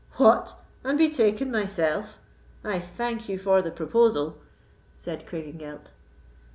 "What! and be taken myself? I thank you for the proposal," said Craigengelt.